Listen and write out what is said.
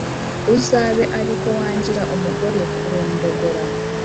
uzabe ari ko wangira umugore kurondogora.